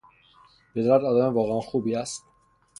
پدرت آدم واقعا خوبی است.